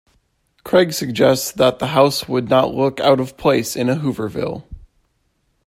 Craig suggests that the House would not look out of place in a Hooverville.